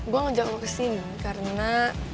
gue ngejelak lo kesini karena